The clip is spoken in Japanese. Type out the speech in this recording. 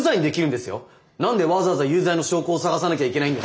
何でわざわざ有罪の証拠を探さなきゃいけないんです？